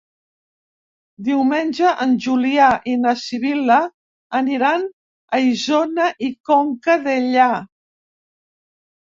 Diumenge en Julià i na Sibil·la aniran a Isona i Conca Dellà.